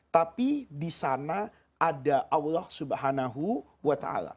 tapi disana ada allah swt